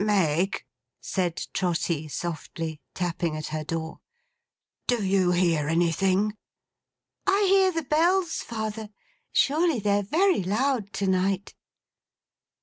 'Meg,' said Trotty softly: tapping at her door. 'Do you hear anything?' 'I hear the Bells, father. Surely they're very loud to night.